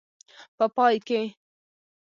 په پای کې.